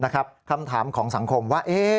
คำถามของสังคมว่า